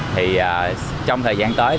thì trong thời gian tới